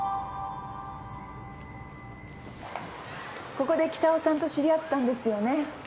ここで北尾さんと知り合ったんですよね？